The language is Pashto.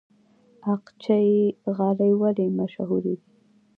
اقچې غالۍ ولې مشهورې دي؟